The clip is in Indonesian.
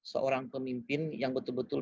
seorang pemimpin yang betul betul